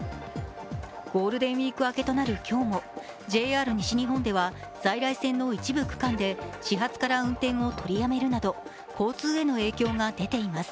ゴールデンウイーク明けとなる今日も、ＪＲ西日本では在来線の一部区間で始発から運転を取りやめるなど交通への影響が出ています。